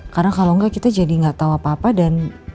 karena kalau enggak kita jadi gak tahu apa apa dan